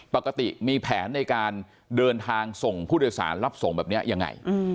ปกติมีแผนในการเดินทางส่งผู้โดยสารรับส่งแบบนี้ยังไง